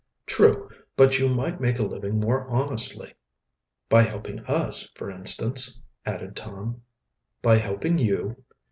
"True, but you might make a living more honestly." "By helping us, for instance," added Tom. "By helping you?"